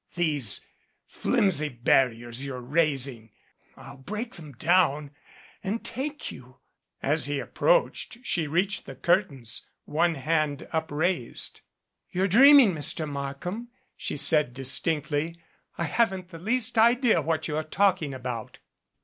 These flimsy barriers you're raising, I'll break them down and take you ' As he approached, she reached the curtains, one hand upraised. "You're dreaming, Mr. Markham," she said, dis tinctly. "I haven't the least idea what you're talking about."